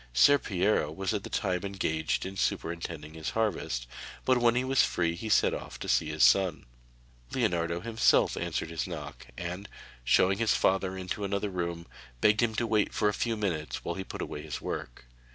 Ser Piero was at the time engaged in superintending his harvest, but when he was free he set off to see his son. Leonardo himself answered his knock, and, showing his father into another room, begged him to wait for a few minutes while he put away his work.